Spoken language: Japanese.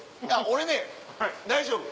俺ね大丈夫。